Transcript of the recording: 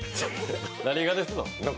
何がですのん？